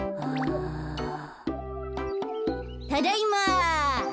・ただいま。